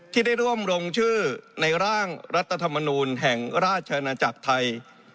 ที่ได้ร่วมลงชื่อในร่างรัฐธรรมนูลแห่งราชอาณาจักรไทย